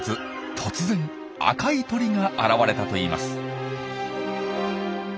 突然赤い鳥が現れたといいます。